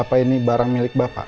apa ini barang milik bapak